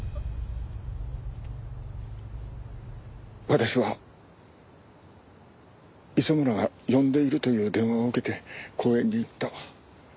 私は磯村が呼んでいるという電話を受けて公園に行った。